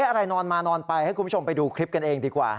อะไรนอนมานอนไปให้คุณผู้ชมไปดูคลิปกันเองดีกว่า